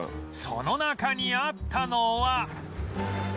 その中にあったのは